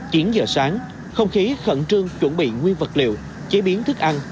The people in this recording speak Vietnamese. chín giờ sáng không khí khẩn trương chuẩn bị nguyên vật liệu chế biến thức ăn